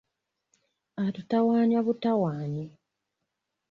Atutawannya butawanyi.